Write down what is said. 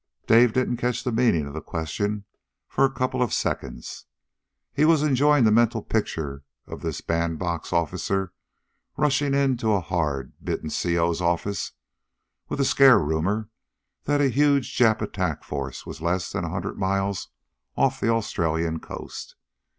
Dave didn't catch the meaning of the question for a couple of seconds. He was enjoying the mental picture of this band box officer rushing into a hard bitten C.O.'s office with a scare rumor that a huge Jap attack force was less than a hundred miles off the Australian coast.